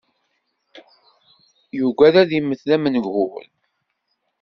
Yugad ad immet d amengur.